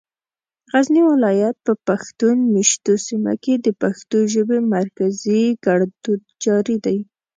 غزني ولايت په پښتون مېشتو سيمو کې د پښتو ژبې مرکزي ګړدود جاري دی.